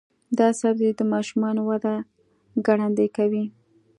دا سبزی د ماشومانو وده ګړندۍ کوي.